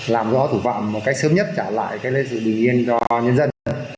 làm rõ thủ phạm một cách sớm nhất trả lại sự bình yên cho nhân dân